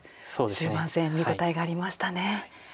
終盤戦見応えがありましたね。